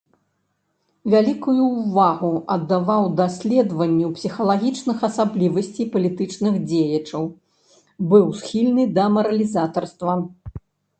Вялікую ўвагу аддаваў даследаванню псіхалагічных асаблівасцей палітычных дзеячаў, быў схільны да маралізатарства.